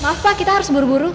maaf pak kita harus buru buru